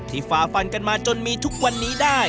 ฝ่าฟันกันมาจนมีทุกวันนี้ได้